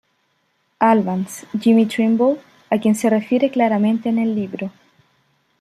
Albans, Jimmie Trimble, a quien se refiere claramente en el libro.